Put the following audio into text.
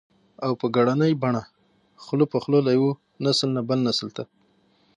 او په ګړنۍ بڼه خوله په خوله له يوه نسل نه بل نسل ته